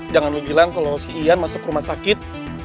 jangan lo bilang kalo si ian masuk rumah sakit